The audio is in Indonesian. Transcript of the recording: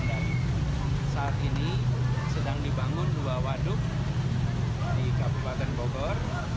dan saat ini sedang dibangun dua waduk di kabupaten bogor